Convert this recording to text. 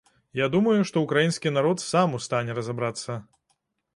Я думаю, што ўкраінскі народ сам у стане разабрацца.